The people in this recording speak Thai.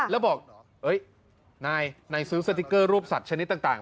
แล้วบอกนายนายซื้อสติ๊กเกอร์รูปสัตว์ชนิดต่าง